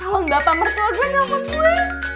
kalau gak pamer keluarga gak pake gue